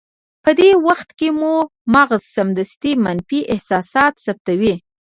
په دې وخت کې مو مغز سمدستي منفي احساسات ثبتوي.